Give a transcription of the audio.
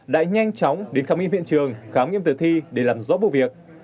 đã nhanh chóng đến khám nghiệm hiện trường khám nghiệm tử thi để làm rõ vụ việc